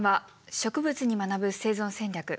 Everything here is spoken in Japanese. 「植物に学ぶ生存戦略」。